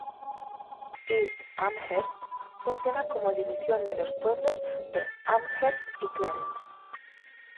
East Amherst funciona como división de los pueblos de Amherst y Clarence.